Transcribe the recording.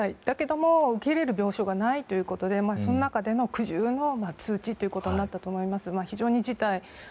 だけども受け入れる病床がないということで、その中での苦渋の通知ということになったと思います。